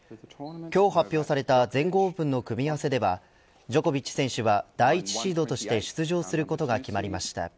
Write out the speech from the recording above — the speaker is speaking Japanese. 今日発表された全豪オープンの組み合わせではジョコビッチ選手は第１シードとして出場することが決まりました。